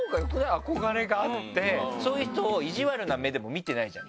憧れがあってそういう人を意地悪な目でも見てないじゃん